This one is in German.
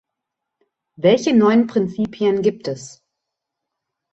Welche neuen Prinzipien gibt es?